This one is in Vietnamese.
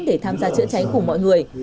để tham gia chữa cháy cùng mọi người